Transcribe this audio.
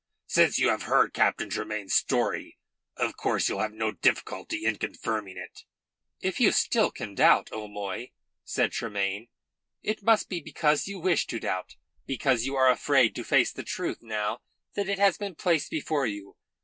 Since you have heard Captain Tremayne's story of course you'll have no difficulty in confirming it." "If you still can doubt, O'Moy," said Tremayne, "it must be because you wish to doubt; because you are afraid to face the truth now that it has been placed before you.